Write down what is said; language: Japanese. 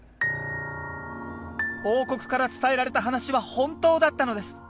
王国から伝えられた話は本当だったのです。